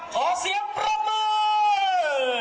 ขอเสียงรับมือ